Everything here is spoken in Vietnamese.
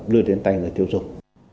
đưa đến tay người tiêu dùng